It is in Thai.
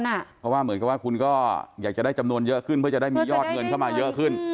เพราะว่าเหมือนกับว่าคุณก็อยากจะได้จำนวนเยอะขึ้นเพื่อจะได้มียอดเงินเข้ามาเยอะขึ้น